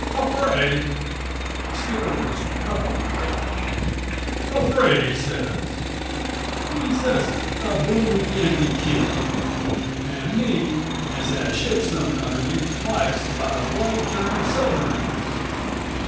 Hafraid!" The skipper was purple with rage. "Hafraid132 'e says. 'E says it, a bloomin' Yankee kid, an' me as 'as 'ad ships sunk under me twice by the bloody German submarines!